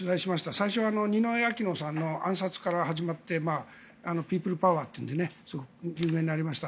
最初はアキノさんの暗殺から始まってピープルパワーという有名になりました。